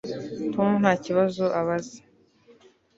Tom ntakibazo abaza